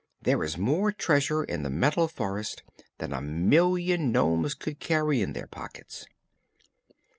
There is more treasure in the Metal Forest than a million nomes could carry in their pockets."